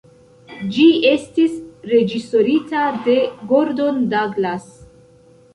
Ĝi estis reĝisorita de Gordon Douglas.